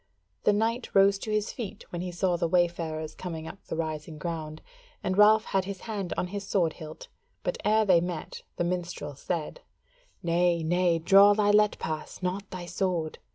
The knight rose to his feet when he saw the wayfarers coming up the rising ground, and Ralph had his hand on his sword hilt; but ere they met, the minstrel said, "Nay, nay, draw thy let pass, not thy sword.